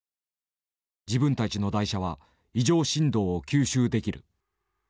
自分たちの台車は異常振動を吸収できる。